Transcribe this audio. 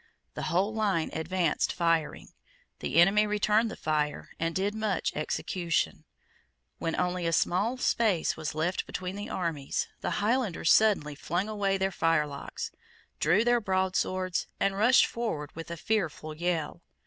The whole line advanced firing. The enemy returned the fire and did much execution. When only a small space was left between the armies, the Highlanders suddenly flung away their firelocks, drew their broadswords, and rushed forward with a fearful yell.